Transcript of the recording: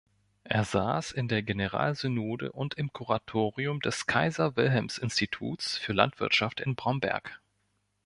Er saß in der Generalsynode und im Kuratorium des Kaiser-Wilhelms-Instituts für Landwirtschaft in Bromberg.